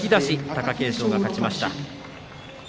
貴景勝が勝ちました。